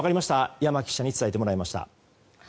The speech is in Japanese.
山木記者に伝えてもらいました。